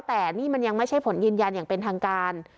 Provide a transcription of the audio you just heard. แต่มันยังไม่ใช่ผลยืนยันอย่างทางการ